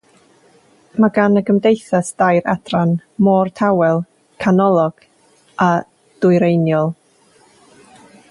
Mae gan y gymdeithas dair adran: Môr Tawel, Canolog a Dwyreiniol.